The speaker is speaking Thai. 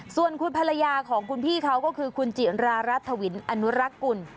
ส่วนคุณภรรยาของคุณพี่เขาก็คือคุณจิรารัฐวินอนุรักษ์กุล